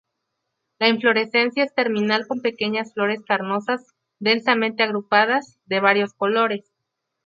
La inflorescencia es terminal con pequeñas flores carnosas densamente agrupadas, de varios colores.